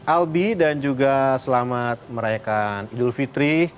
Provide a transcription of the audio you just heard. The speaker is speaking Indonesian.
albi dan juga selamat merayakan idul fitri